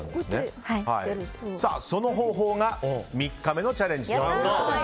その方法が３日目のチャレンジになります。